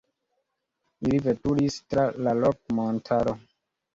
Ili veturis tra la Rok-montaro.